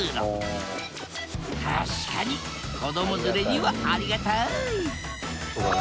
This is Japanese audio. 確かに子ども連れにはありがたい！